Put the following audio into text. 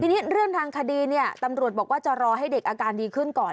ทีนี้เรื่องทางคดีเนี่ยตำรวจบอกว่าจะรอให้เด็กอาการดีขึ้นก่อน